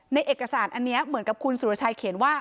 เอกสารอันนี้เหมือนกับคุณสุรชัยเขียนว่า